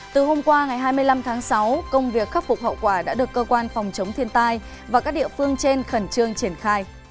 từ hôm qua ngày hai mươi năm tháng sáu công việc khắc phục hậu quả đã được cơ quan phòng chống thiên tai và các địa phương trên khẩn trương triển khai